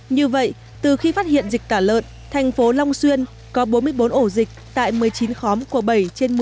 như vậy từ khi phát hiện dịch tả lợn thành phố long xuyên có bốn mươi bốn ổ dịch tại một mươi chín khóm của bảy trên